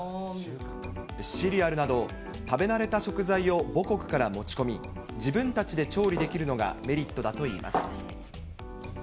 シリアルなど食べ慣れた食材を母国から持ち込み、自分たちで調理できるのがメリットだといいます。